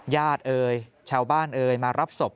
เอ่ยชาวบ้านเอ่ยมารับศพ